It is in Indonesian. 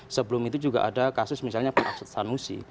sebelum itu juga ada kasus misalnya pak arsad sanusi